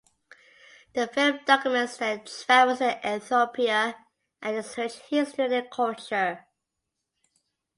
The film documents their travels to Ethiopia and its rich history and culture.